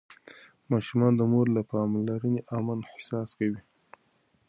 ماشوم د مور له پاملرنې امن احساس کوي.